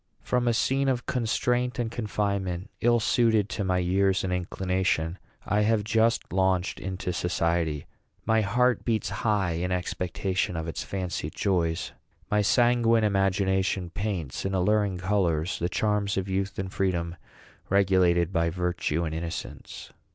From a scene of constraint and confinement, ill suited to my years and inclination, I have just launched into society. My heart beats high in expectation of its fancied joys. My sanguine imagination paints, in alluring colors, the charms of youth and freedom, regulated by virtue and innocence.